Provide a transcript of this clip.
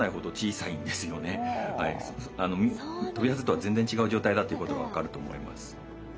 トビハゼとは全然違う状態だということが分かると思います。